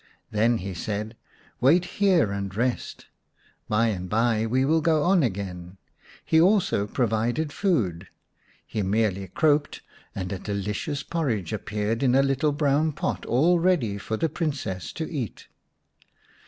Then he said, " Wait here and rest. By and by we will go on again." He also provided food ; he merely croaked, and delicious porridge appeared in a little brown pot, all ready for the Princess to eat.